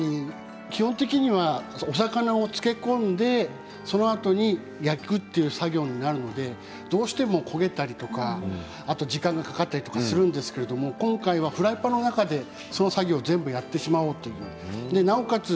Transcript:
基本的にはお魚を漬け込んでそのあとに焼くという作業になるのでどうしても焦げたりとかあと時間がかかったりとかするんですけれど、今回はフライパンの中でその作業を全部やってしまおうというなおかつ